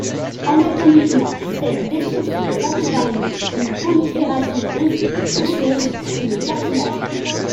Anatomiquement, cette destruction s'accompagne d'une prolifération osseuse sous le cartilage.